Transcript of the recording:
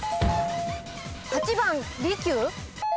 ８番利久？